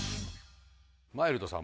マイルドさん